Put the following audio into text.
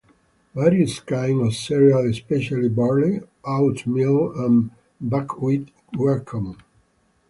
Various kinds of cereal especially barley, oatmeal and buckwheat were common.